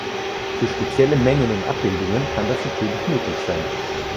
Für spezielle Mengen und Abbildungen kann das natürlich möglich sein.